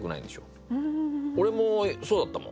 俺もそうだったもん。